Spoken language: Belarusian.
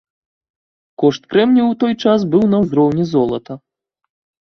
Кошт крэмнію ў той час быў на ўзроўні золата.